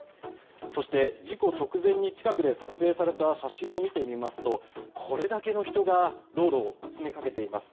そして、事故直前に近くで撮影された写真を見てみますとこれだけの人が道路に詰めかけています。